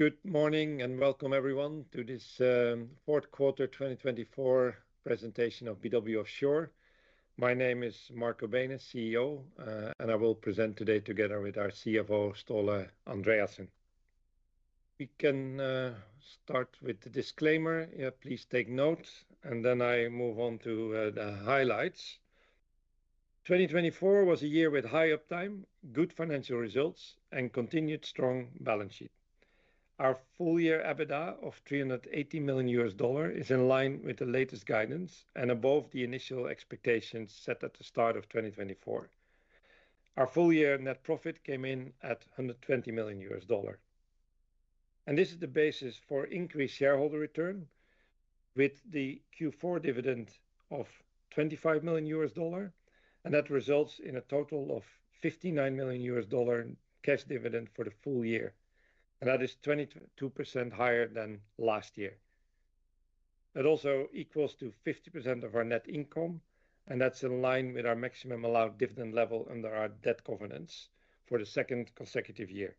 Good morning and welcome everyone to this fourth quarter 2024 presentation of BW Offshore. My name is Marco Beenen, CEO, and I will present today together with our CFO, Ståle Andreassen. We can start with the disclaimer. Please take notes, and then I move on to the highlights. 2024 was a year with high uptime, good financial results, and continued strong balance sheet. Our full year EBITDA of $380 million is in line with the latest guidance and above the initial expectations set at the start of 2024. Our full year net profit came in at $120 million, and this is the basis for increased shareholder return with the Q4 dividend of $25 million, and that results in a total of $59 million cash dividend for the full year, and that is 22% higher than last year. That also equals 50% of our net income, and that's in line with our maximum allowed dividend level under our debt covenants for the second consecutive year.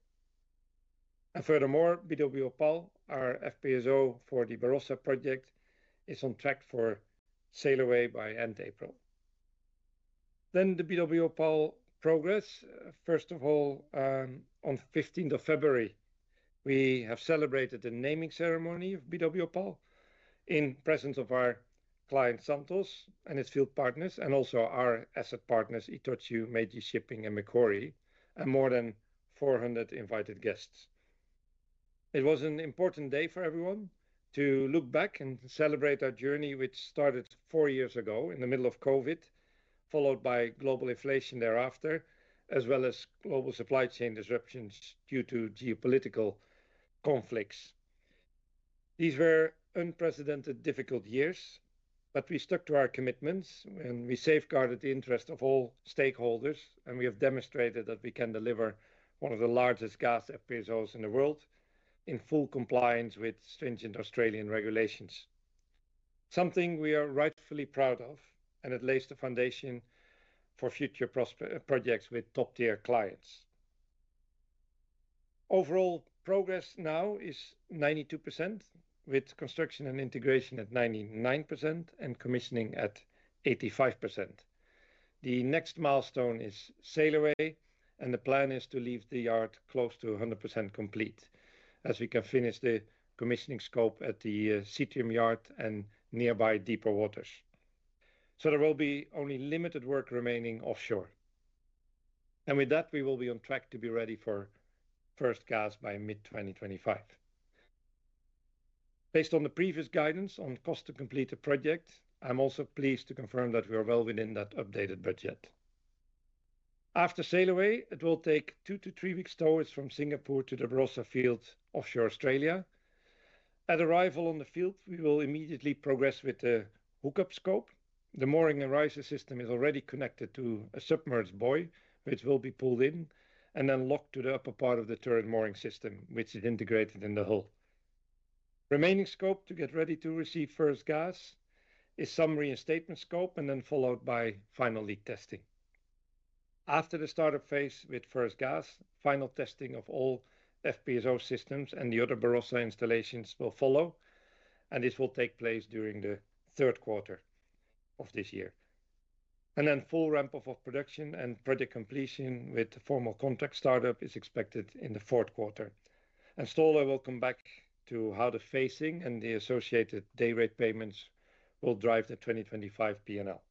And furthermore, BW Opal, our FPSO for the Barossa project, is on track for sail away by end April. Then the BW Opal progress. First of all, on 15th of February, we have celebrated the naming ceremony of BW Opal in the presence of our client Santos and its field partners, and also our asset partners Itochu, Meiji Shipping, and Macquarie, and more than 400 invited guests. It was an important day for everyone to look back and celebrate our journey, which started four years ago in the middle of COVID, followed by global inflation thereafter, as well as global supply chain disruptions due to geopolitical conflicts. These were unprecedented difficult years, but we stuck to our commitments and we safeguarded the interests of all stakeholders, and we have demonstrated that we can deliver one of the largest gas FPSOs in the world in full compliance with stringent Australian regulations. Something we are rightfully proud of, and it lays the foundation for future projects with top-tier clients. Overall progress now is 92%, with construction and integration at 99% and commissioning at 85%. The next milestone is sail away, and the plan is to leave the yard close to 100% complete as we can finish the commissioning scope at the Seatrium yard and nearby deeper waters. So there will be only limited work remaining offshore. And with that, we will be on track to be ready for first gas by mid-2025. Based on the previous guidance on cost to complete the project, I'm also pleased to confirm that we are well within that updated budget. After sail away, it will take two to three weeks from Singapore to the Barossa fields offshore Australia. At arrival on the field, we will immediately progress with the hookup scope. The mooring and riser system is already connected to a submerged buoy, which will be pulled in and then locked to the upper part of the turret mooring system, which is integrated in the hull. Remaining scope to get ready to receive first gas is some reinstatement scope and then followed by final leak testing. After the startup phase with first gas, final testing of all FPSO systems and the other Barossa installations will follow, and this will take place during the third quarter of this year. Then full ramp-up of production and project completion with formal contract startup is expected in the fourth quarter. Ståle will come back to how the phasing and the associated day rate payments will drive the 2025 P&L.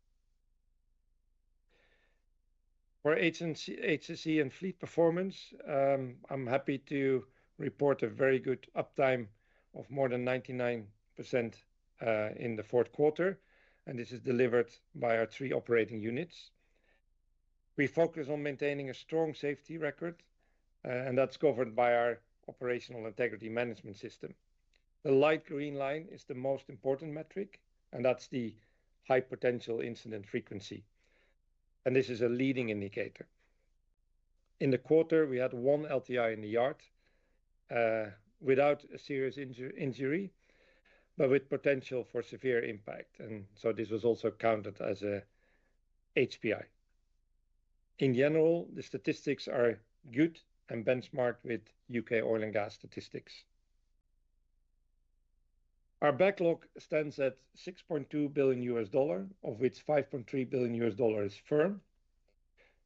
For HSE and fleet performance, I'm happy to report a very good uptime of more than 99% in the fourth quarter, and this is delivered by our three operating units. We focus on maintaining a strong safety record, and that's covered by our Operational Integrity Management System. The light green line is the most important metric, and that's the High Potential Incident frequency. This is a leading indicator. In the quarter, we had one LTI in the yard without a serious injury, but with potential for severe impact. So this was also counted as an HPI. In general, the statistics are good and benchmarked with UK oil and gas statistics. Our backlog stands at $6.2 billion, of which $5.3 billion is firm.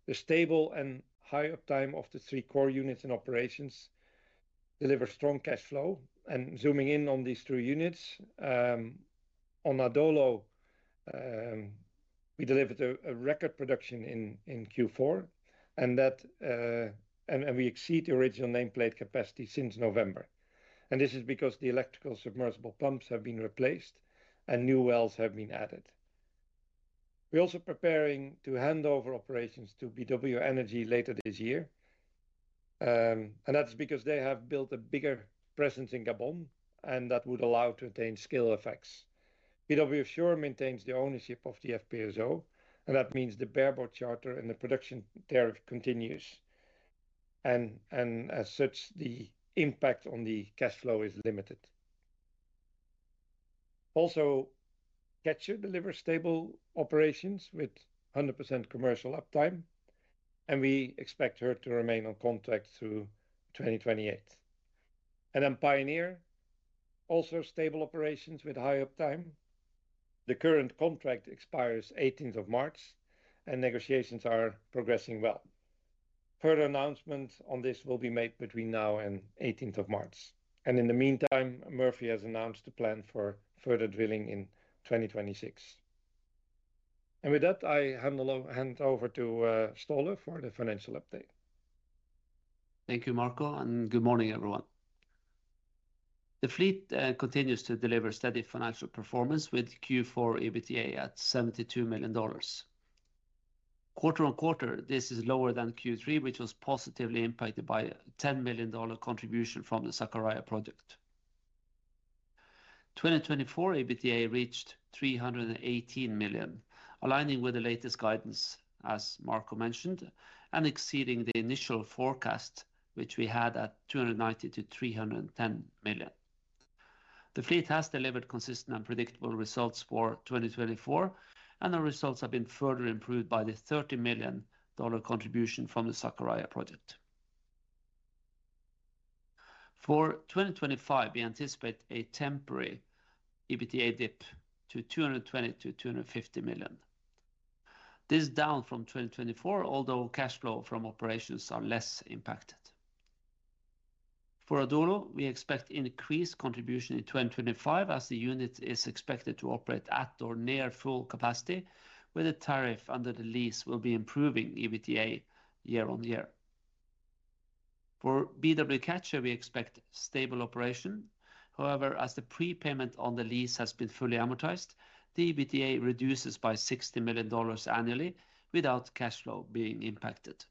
The stable and high uptime of the three core units in operations delivers strong cash flow, and zooming in on these three units, on Adolo, we delivered a record production in Q4, and we exceed the original nameplate capacity since November, and this is because the electrical submersible pumps have been replaced and new wells have been added. We're also preparing to hand over operations to BW Energy later this year, and that's because they have built a bigger presence in Gabon, and that would allow to attain scale effects. BW Offshore maintains the ownership of the FPSO, and that means the bareboat charter and the production tariff continues, and as such, the impact on the cash flow is limited. Also, Catcher delivers stable operations with 100% commercial uptime, and we expect her to remain on contract through 2028, and then Pioneer, also stable operations with high uptime. The current contract expires 18th of March, and negotiations are progressing well. Further announcements on this will be made between now and 18th of March, and in the meantime, Murphy has announced the plan for further drilling in 2026, and with that, I hand over to Ståle for the financial update. Thank you, Marco, and good morning, everyone. The fleet continues to deliver steady financial performance with Q4 EBITDA at $72 million. Quarter on quarter, this is lower than Q3, which was positively impacted by a $10 million contribution from the Sakarya project. 2024 EBITDA reached $318 million, aligning with the latest guidance, as Marco mentioned, and exceeding the initial forecast, which we had at $290-$310 million. The fleet has delivered consistent and predictable results for 2024, and the results have been further improved by the $30 million contribution from the Sakarya project. For 2025, we anticipate a temporary EBITDA dip to $220-$250 million. This is down from 2024, although cash flow from operations are less impacted. For Adolo, we expect increased contribution in 2025 as the unit is expected to operate at or near full capacity, with a tariff under the lease will be improving EBITDA year on year. For BW Catcher, we expect stable operation. However, as the prepayment on the lease has been fully amortized, the EBITDA reduces by $60 million annually without cash flow being impacted.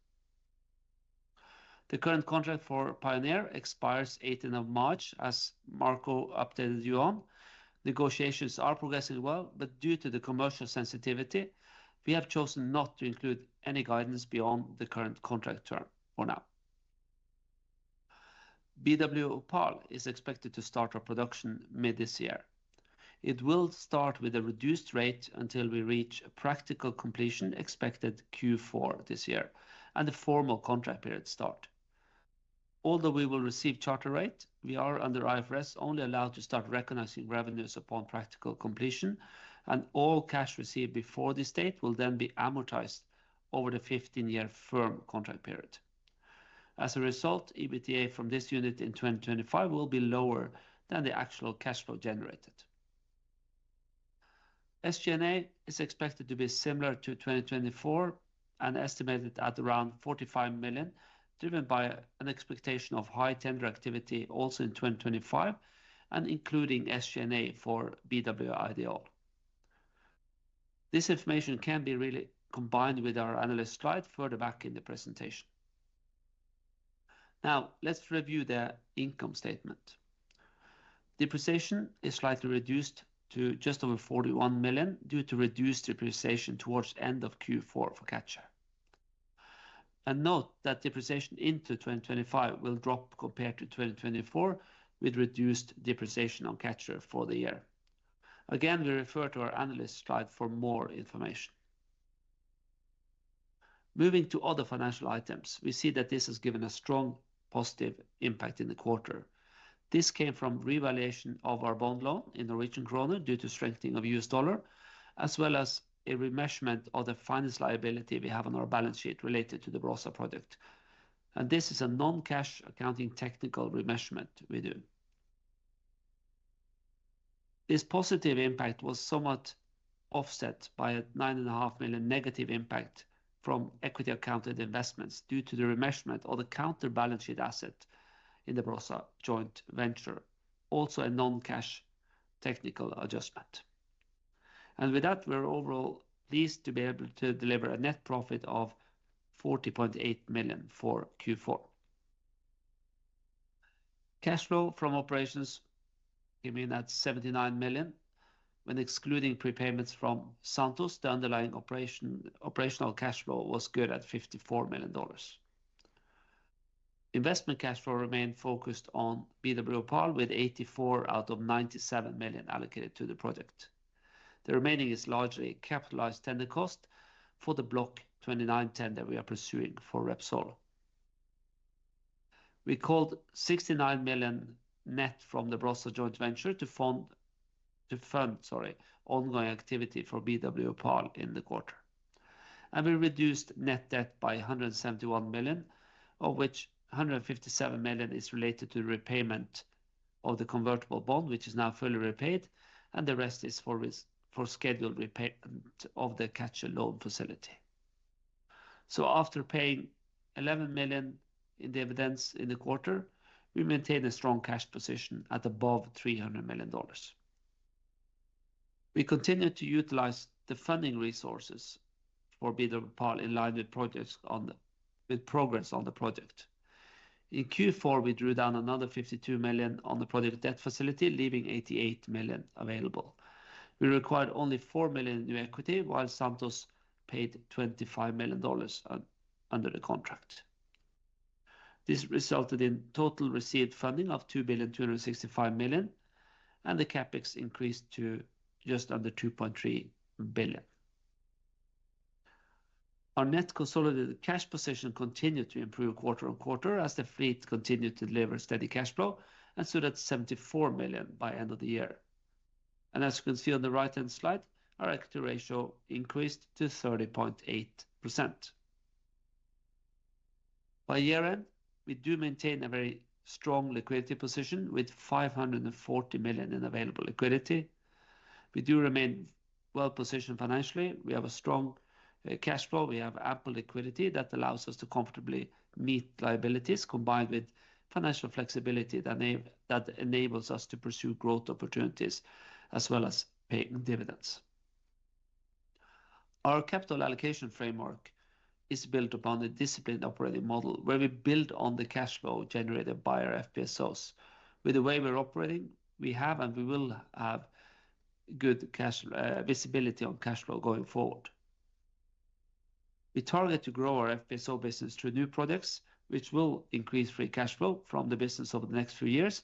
The current contract for Pioneer expires 18th of March, as Marco updated you on. Negotiations are progressing well, but due to the commercial sensitivity, we have chosen not to include any guidance beyond the current contract term for now. BW Opal is expected to start our production mid this year. It will start with a reduced rate until we reach practical completion expected Q4 this year and the formal contract period start. Although we will receive charter rate, we are under IFRS only allowed to start recognizing revenues upon practical completion, and all cash received before this date will then be amortized over the 15-year firm contract period. As a result, EBITDA from this unit in 2025 will be lower than the actual cash flow generated. SG&A is expected to be similar to 2024 and estimated at around $45 million, driven by an expectation of high tender activity also in 2025 and including SG&A for BW Ideol. This information can be really combined with our analyst slide further back in the presentation. Now, let's review the income statement. Depreciation is slightly reduced to just over $41 million due to reduced depreciation towards the end of Q4 for Catcher. Note that depreciation into 2025 will drop compared to 2024 with reduced depreciation on Catcher for the year. Again, we refer to our analyst slide for more information. Moving to other financial items, we see that this has given a strong positive impact in the quarter. This came from revaluation of our bond loan in the Norwegian krone due to strengthening of U.S. dollar, as well as a remeasurement of the finance liability we have on our balance sheet related to the Barossa project. And this is a non-cash accounting technical remeasurement we do. This positive impact was somewhat offset by a $9.5 million negative impact from equity accounted investments due to the remeasurement of the on the balance sheet asset in the Barossa joint venture, also a non-cash technical adjustment. And with that, we're overall pleased to be able to deliver a net profit of $40.8 million for Q4. Cash flow from operations came in at $79 million. When excluding prepayments from Santos, the underlying operational cash flow was good at $54 million. Investment cash flow remained focused on BW Opal, with $84 out of $97 million allocated to the project. The remaining is largely capitalized tender cost for the Block 29 tender we are pursuing for Repsol. We called $69 million net from the Barossa joint venture to fund ongoing activity for BW Opal in the quarter. And we reduced net debt by $171 million, of which $157 million is related to the repayment of the convertible bond, which is now fully repaid, and the rest is for scheduled repayment of the BW Catcher loan facility. So after paying $11 million in dividends in the quarter, we maintain a strong cash position at above $300 million. We continue to utilize the funding resources for BW Opal in line with progress on the project. In Q4, we drew down another $52 million on the project debt facility, leaving $88 million available. We required only $4 million in new equity, while Santos paid $25 million under the contract. This resulted in total received funding of $2,265,000,000 and the CapEx increased to just under $2.3 billion. Our net consolidated cash position continued to improve quarter on quarter as the fleet continued to deliver steady cash flow and stood at $74 million by end of the year. And as you can see on the right-hand slide, our equity ratio increased to 30.8%. By year-end, we do maintain a very strong liquidity position with $540 million in available liquidity. We do remain well-positioned financially. We have a strong cash flow. We have ample liquidity that allows us to comfortably meet liabilities combined with financial flexibility that enables us to pursue growth opportunities as well as paying dividends. Our capital allocation framework is built upon a disciplined operating model where we build on the cash flow generated by our FPSOs. With the way we're operating, we have and we will have good visibility on cash flow going forward. We target to grow our FPSO business through new projects, which will increase free cash flow from the business over the next few years.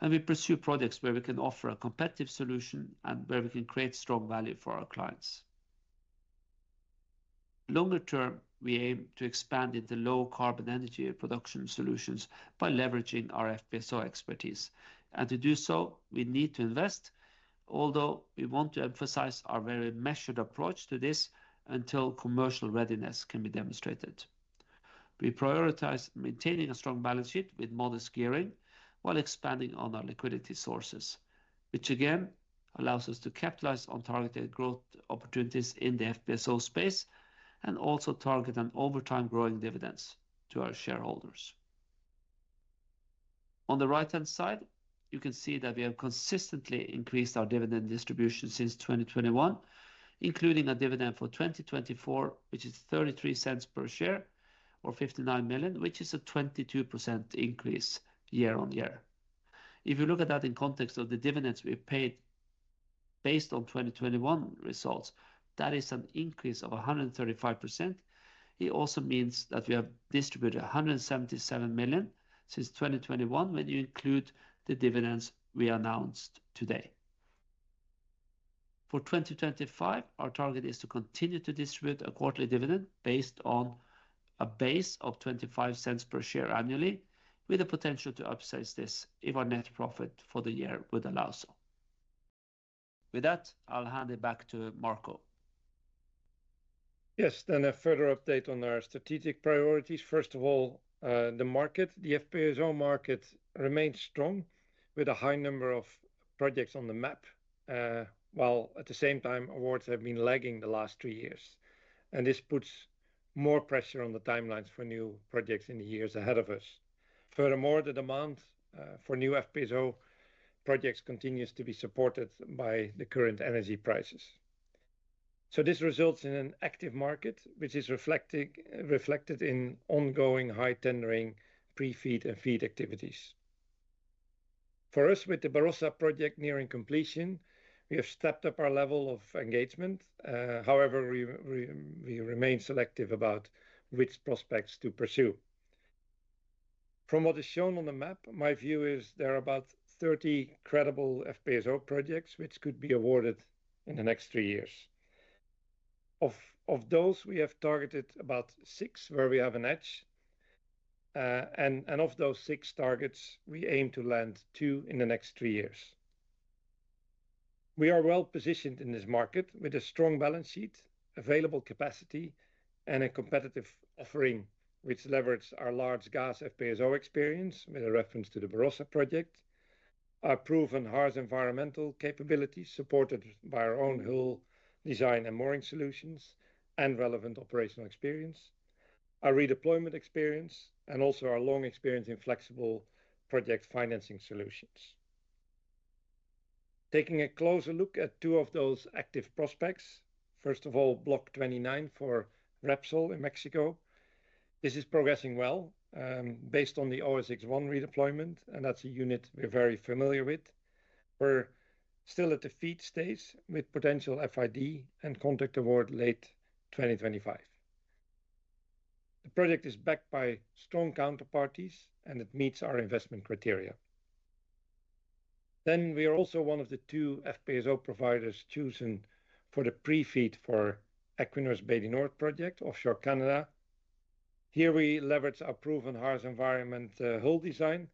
And we pursue projects where we can offer a competitive solution and where we can create strong value for our clients. Longer term, we aim to expand into low-carbon energy production solutions by leveraging our FPSO expertise. And to do so, we need to invest, although we want to emphasize our very measured approach to this until commercial readiness can be demonstrated. We prioritize maintaining a strong balance sheet with modest gearing while expanding on our liquidity sources, which again allows us to capitalize on targeted growth opportunities in the FPSO space and also target an over time growing dividends to our shareholders. On the right-hand side, you can see that we have consistently increased our dividend distribution since 2021, including a dividend for 2024, which is $0.33 per share or $59 million, which is a 22% increase year on year. If you look at that in context of the dividends we paid based on 2021 results, that is an increase of 135%. It also means that we have distributed $177 million since 2021 when you include the dividends we announced today. For 2025, our target is to continue to distribute a quarterly dividend based on a base of $0.25 per share annually, with the potential to upsize this if our net profit for the year would allow so. With that, I'll hand it back to Marco. Yes, then a further update on our strategic priorities. First of all, the market, the FPSO market remains strong with a high number of projects on the map, while at the same time, awards have been lagging the last three years. And this puts more pressure on the timelines for new projects in the years ahead of us. Furthermore, the demand for new FPSO projects continues to be supported by the current energy prices. So this results in an active market, which is reflected in ongoing high tendering pre-FEED and FEED activities. For us, with the Barossa project nearing completion, we have stepped up our level of engagement. However, we remain selective about which prospects to pursue. From what is shown on the map, my view is there are about 30 credible FPSO projects which could be awarded in the next three years. Of those, we have targeted about six where we have an edge, and of those six targets, we aim to land two in the next three years. We are well positioned in this market with a strong balance sheet, available capacity, and a competitive offering which leverages our large gas FPSO experience with a reference to the Barossa project, our proven harsh environmental capabilities supported by our own hull design and mooring solutions, and relevant operational experience, our redeployment experience, and also our long experience in flexible project financing solutions. Taking a closer look at two of those active prospects, first of all, Block 29 for Repsol in Mexico. This is progressing well based on the OSX-1 redeployment, and that's a unit we're very familiar with. We're still at the FEED stage with potential FID and contract award late 2025. The project is backed by strong counterparties, and it meets our investment criteria. Then we are also one of the two FPSO providers chosen for the pre-FEED for Equinor Bay du Nord project offshore Canada. Here we leverage our proven harsh environment hull design,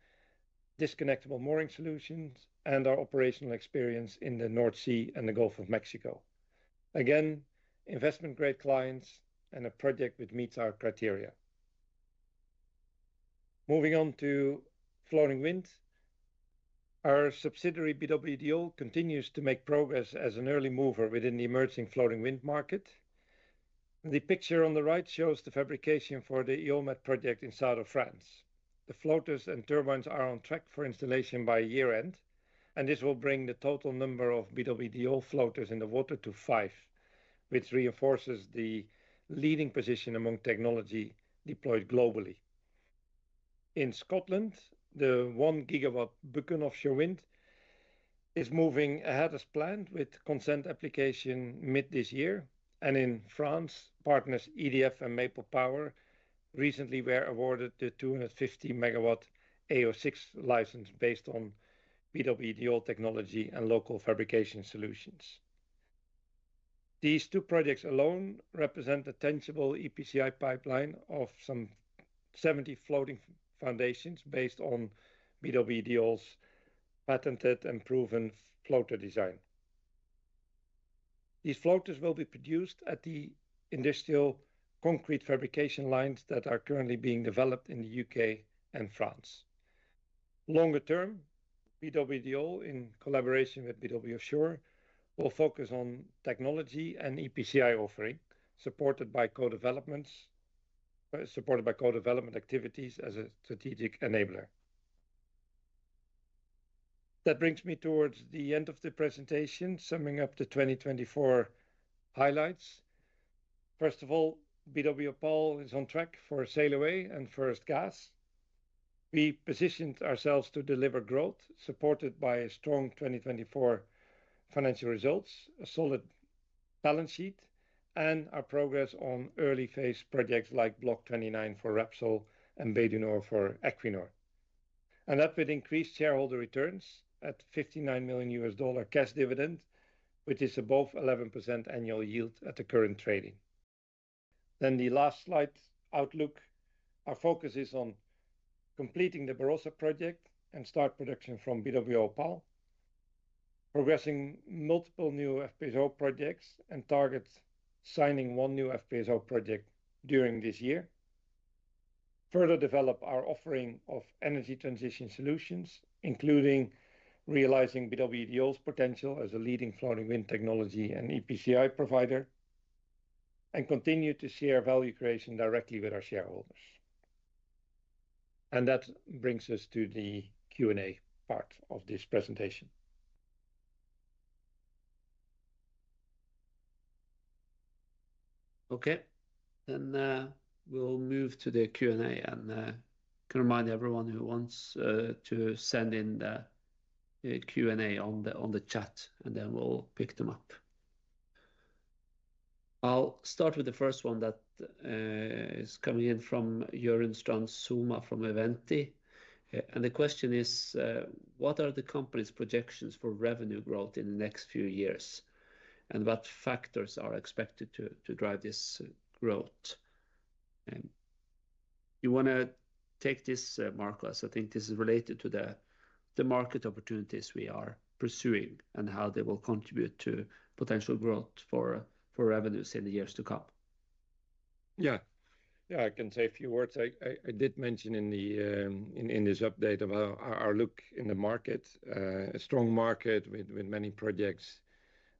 disconnectable mooring solutions, and our operational experience in the North Sea and the Gulf of Mexico. Again, investment-grade clients and a project which meets our criteria. Moving on to floating wind, our subsidiary BW Ideol continues to make progress as an early mover within the emerging floating wind market. The picture on the right shows the fabrication for the EolMed project in South of France. The floaters and turbines are on track for installation by year-end, and this will bring the total number of BW Ideol floaters in the water to five, which reinforces the leading position among technology deployed globally. In Scotland, the 1 GW Buchan Offshore Wind is moving ahead as planned with consent application mid this year. In France, partners EDF and Maple Power recently were awarded the 250 MW AO6 license based on BW Ideol technology and local fabrication solutions. These two projects alone represent a tangible EPCI pipeline of some 70 floating foundations based on BW Ideol's patented and proven floater design. These floaters will be produced at the industrial concrete fabrication lines that are currently being developed in the U.K. and France. Longer term, BW Ideol, in collaboration with BW Offshore, will focus on technology and EPCI offering supported by co-development activities as a strategic enabler. That brings me towards the end of the presentation, summing up the 2024 highlights. First of all, BW Opal is on track for sail away and first gas. We positioned ourselves to deliver growth supported by strong 2024 financial results, a solid balance sheet, and our progress on early phase projects like Block 29 for Repsol and Bay du Nord for Equinor. That would increase shareholder returns with a $59 million USD cash dividend, which is above 11% annual yield at the current trading. The last slide outlook, our focus is on completing the Barossa project and start production from BW Opal, progressing multiple new FPSO projects and target signing one new FPSO project during this year. Further develop our offering of energy transition solutions, including realizing BW Ideol's potential as a leading floating wind technology and EPCI provider, and continue to share value creation directly with our shareholders. That brings us to the Q&A part of this presentation. Okay, then we'll move to the Q&A, and I can remind everyone who wants to send in the Q&A on the chat, and then we'll pick them up. I'll start with the first one that is coming in from Jørn Strand-Sømme from Eventi. The question is, what are the company's projections for revenue growth in the next few years, and what factors are expected to drive this growth? You want to take this, Marco, as I think this is related to the market opportunities we are pursuing and how they will contribute to potential growth for revenues in the years to come. Yeah, yeah, I can say a few words. I did mention in this update about our look in the market, a strong market with many projects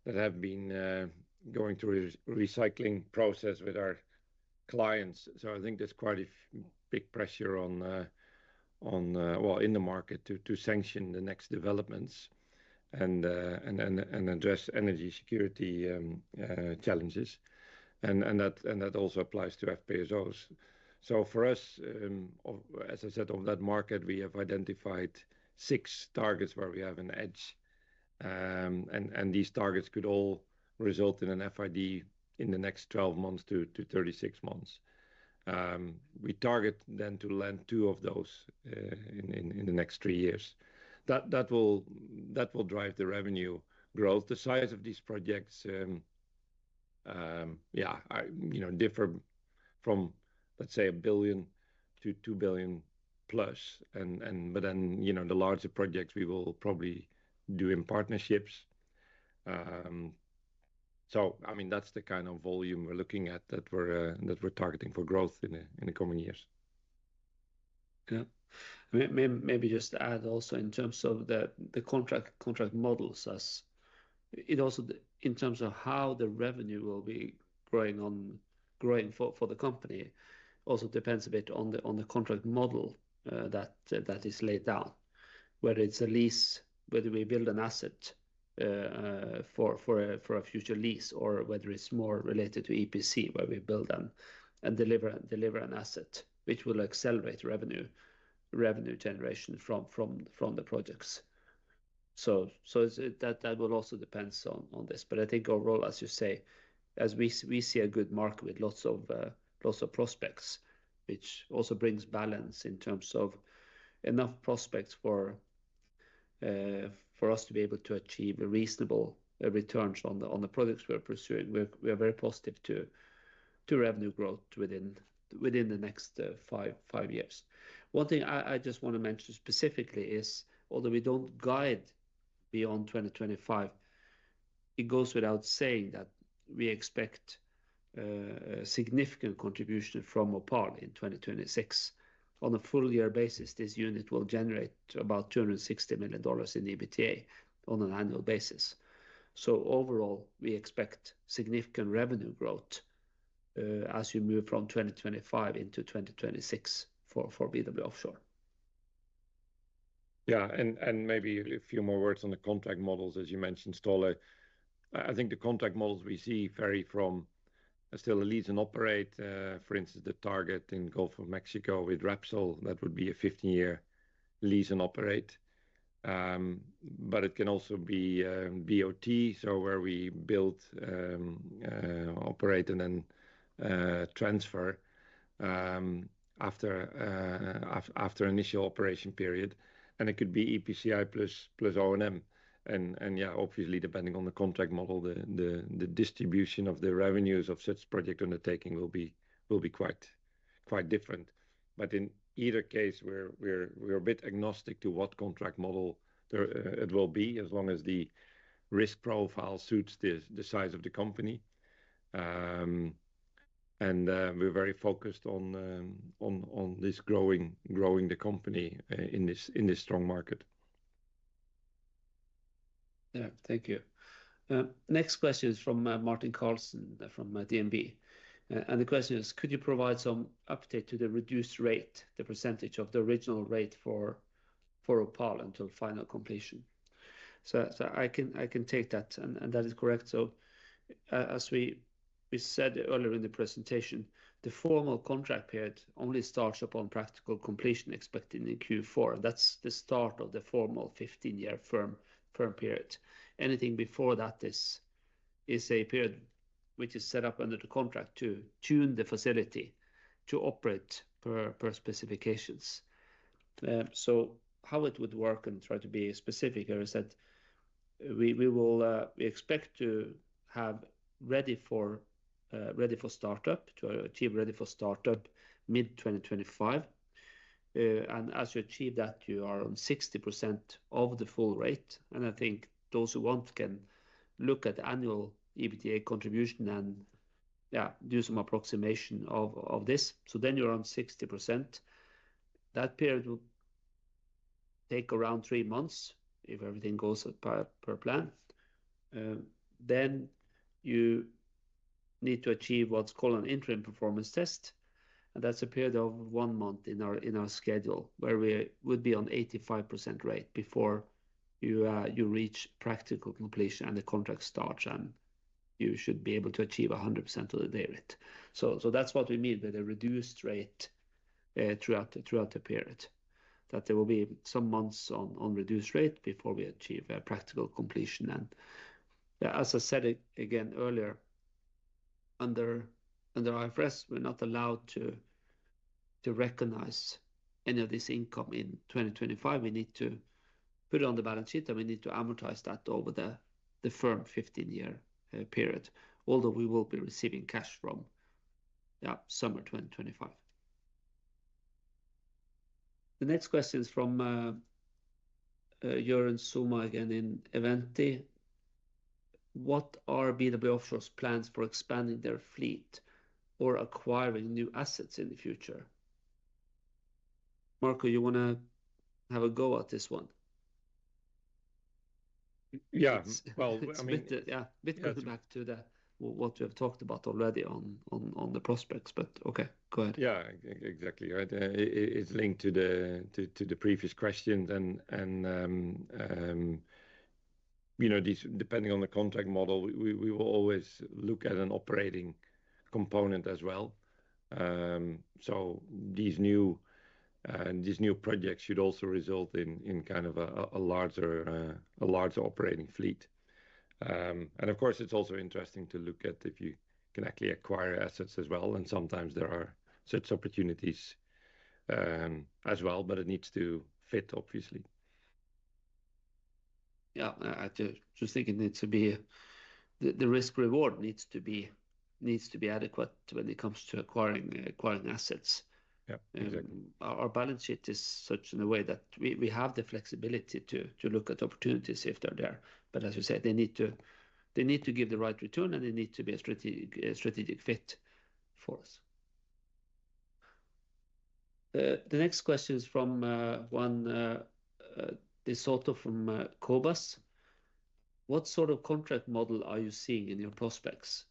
that have been going through a recycling process with our clients. So I think there's quite a big pressure on, well, in the market to sanction the next developments and address energy security challenges. And that also applies to FPSOs. So for us, as I said, on that market, we have identified six targets where we have an edge. And these targets could all result in an FID in the next 12 months to 36 months. We target then to land two of those in the next three years. That will drive the revenue growth. The size of these projects, yeah, differ from, let's say, a billion to two billion plus. But then the larger projects, we will probably do in partnerships. So I mean, that's the kind of volume we're looking at that we're targeting for growth in the coming years. Yeah, maybe just to add also in terms of the contract models, it also in terms of how the revenue will be growing for the company also depends a bit on the contract model that is laid down, whether it's a lease, whether we build an asset for a future lease, or whether it's more related to EPC, where we build and deliver an asset, which will accelerate revenue generation from the projects. So that will also depend on this. But I think overall, as you say, as we see a good market with lots of prospects, which also brings balance in terms of enough prospects for us to be able to achieve reasonable returns on the projects we're pursuing, we are very positive to revenue growth within the next five years. One thing I just want to mention specifically is, although we don't guide beyond 2025, it goes without saying that we expect a significant contribution from our part in 2026. On a full year basis, this unit will generate about $260 million in EBITDA on an annual basis. So overall, we expect significant revenue growth as you move from 2025 into 2026 for BW Offshore. Yeah, and maybe a few more words on the contract models, as you mentioned, Ståle. I think the contract models we see vary from still a lease and operate, for instance, the charter in Gulf of Mexico with Repsol, that would be a 15-year lease and operate. But it can also be BOT, so where we build, operate, and then transfer after initial operation period. And it could be EPCI plus O&M. And yeah, obviously, depending on the contract model, the distribution of the revenues of such project undertaking will be quite different. But in either case, we're a bit agnostic to what contract model it will be, as long as the risk profile suits the size of the company. And we're very focused on this growing the company in this strong market. Yeah, thank you. Next question is from Martin Karlsen from DNB. And the question is, could you provide some update to the reduced rate, the percentage of the original rate for our part until final completion? So I can take that, and that is correct. So as we said earlier in the presentation, the formal contract period only starts upon practical completion expected in Q4. That's the start of the formal 15-year firm period. Anything before that is a period which is set up under the contract to tune the facility to operate per specifications. So how it would work and try to be specific here is that we expect to have ready for startup, to achieve ready for startup mid 2025. And as you achieve that, you are on 60% of the full rate. I think those who want can look at the annual EBITDA contribution and, yeah, do some approximation of this. Then you're on 60%. That period will take around three months if everything goes per plan. You need to achieve what's called an interim performance test. That's a period of one month in our schedule where we would be on 85% rate before you reach practical completion and the contract starts, and you should be able to achieve 100% of the day rate. That's what we mean with a reduced rate throughout the period, that there will be some months on reduced rate before we achieve practical completion. As I said again earlier, under IFRS, we're not allowed to recognize any of this income in 2025. We need to put it on the balance sheet, and we need to amortize that over the firm 15-year period, although we will be receiving cash from summer 2025. The next question is from Jørn Sømme again in Eventi. What are BW Offshore's plans for expanding their fleet or acquiring new assets in the future? Marco, you want to have a go at this one? Yeah, well, I mean. Yeah, a bit going back to what we have talked about already on the prospects, but okay, go ahead. Yeah, exactly. It's linked to the previous question, and depending on the contract model, we will always look at an operating component as well, so these new projects should also result in kind of a larger operating fleet, and of course, it's also interesting to look at if you can actually acquire assets as well. And sometimes there are such opportunities as well, but it needs to fit, obviously. Yeah, I just think the risk-reward needs to be adequate when it comes to acquiring assets. Yeah, exactly. Our balance sheet is such in a way that we have the flexibility to look at opportunities if they're there. But as you say, they need to give the right return, and they need to be a strategic fit for us. The next question is from Juan de Soto from Cobas. What sort of contract model are you seeing in your prospects?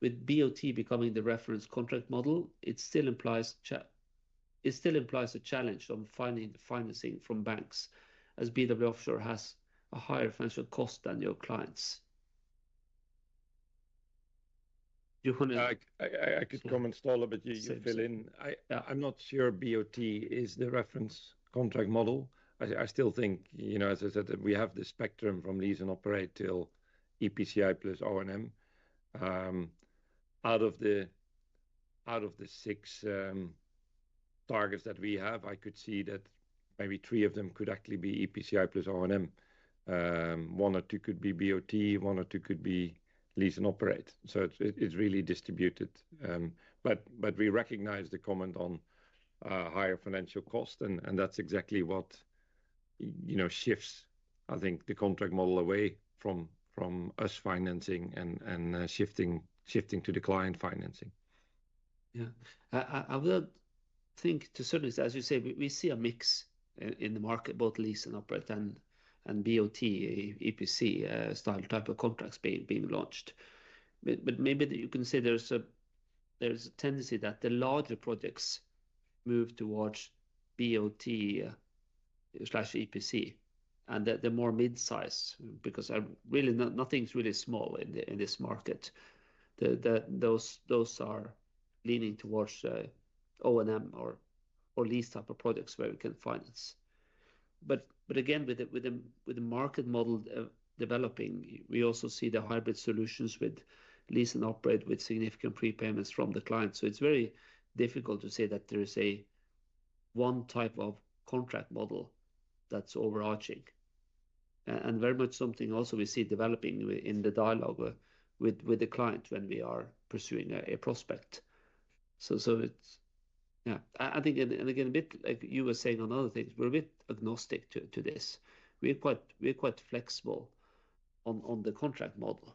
With BOT becoming the reference contract model, it still implies a challenge on finding the financing from banks, as BW Offshore has a higher financial cost than your clients. I could comment, Ståle, but you fill in. I'm not sure BOT is the reference contract model. I still think, as I said, that we have the spectrum from lease and operate till EPCI plus O&M. Out of the six targets that we have, I could see that maybe three of them could actually be EPCI plus O&M. One or two could be BOT, one or two could be lease and operate. So it's really distributed. But we recognize the comment on higher financial cost, and that's exactly what shifts, I think, the contract model away from us financing and shifting to the client financing. Yeah, I would think to a certain extent, as you say, we see a mix in the market, both lease and operate and BOT, EPC style type of contracts being launched. But maybe you can say there's a tendency that the larger projects move towards BOT/EPC and the more mid-size, because really nothing's really small in this market. Those are leaning towards O&M or lease type of projects where we can finance. But again, with the market model developing, we also see the hybrid solutions with lease and operate with significant prepayments from the client. So it's very difficult to say that there is a one type of contract model that's overarching. And very much something also we see developing in the dialogue with the client when we are pursuing a prospect. So yeah, I think, and again, a bit like you were saying on other things, we're a bit agnostic to this. We're quite flexible on the contract model.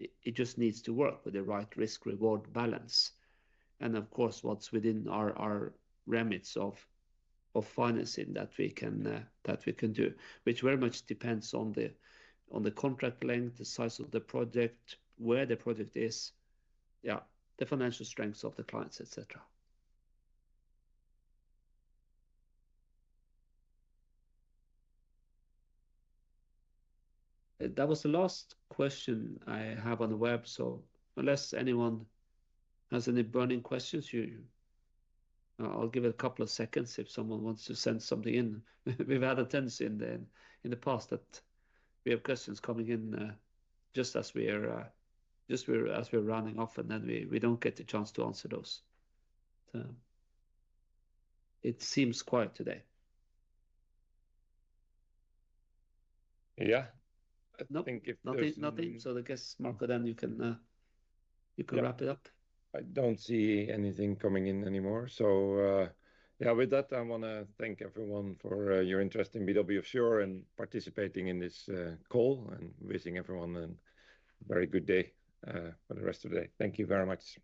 It just needs to work with the right risk-reward balance, and of course, what's within our remit of financing that we can do, which very much depends on the contract length, the size of the project, where the project is, yeah, the financial strengths of the clients, etc. That was the last question I have on the web, so unless anyone has any burning questions, I'll give it a couple of seconds if someone wants to send something in. We've had a tendency in the past that we have questions coming in just as we're running off, and then we don't get the chance to answer those. It seems quiet today. Yeah, I think if there's any. Nothing? So I guess, Marco, then you can wrap it up. I don't see anything coming in anymore. So yeah, with that, I want to thank everyone for your interest in BW Offshore and participating in this call and wishing everyone a very good day for the rest of the day. Thank you very much.